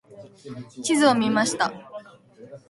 地図を見ました。